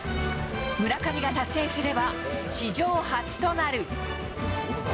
村上が達成すれば、史上初となる。